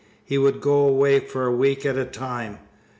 He would go away for a week at a time.